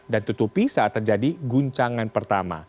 dan tutupi saat terjadi guncangan pertama